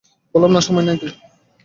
বললাম না সময় নেই!